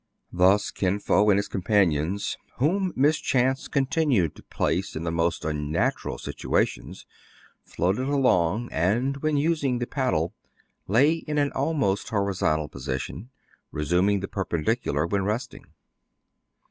Thus Kin Fo and his companions, whom mis chance continued to place in the most unnatural situations, floated along, and, when using the pad dle, lay in an almost horizontal position, resuming the perpendicular when resting.